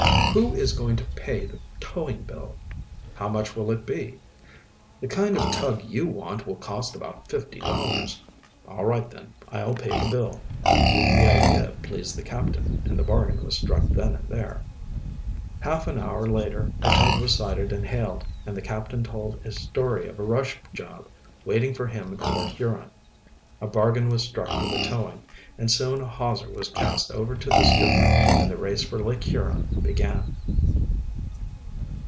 "Who is going to pay the towing bill?" "How much will it be?" "The kind of tug you want will cost about fifty dollars." "All right then, I'll pay the bill." The idea pleased the captain, and the bargain was struck then and there. Half an hour later a tug was sighted and hailed, and the captain told a story of a "rush job" waiting for him at Port Huron. A bargain was struck for the towing, and soon a hawser was cast over to the schooner and the race for Lake Huron began.